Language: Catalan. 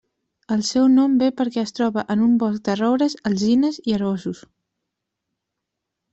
El seu nom ve perquè es troba en un bosc de roures, alzines i arboços.